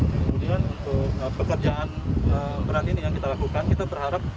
kemudian untuk pekerjaan peran ini yang kita lakukan kita berharap